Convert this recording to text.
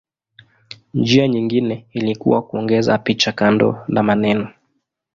Njia nyingine ilikuwa kuongeza picha kando la maneno.